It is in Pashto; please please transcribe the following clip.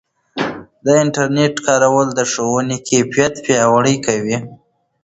د انټرنیټ کارول د ښوونې کیفیت پیاوړی کوي.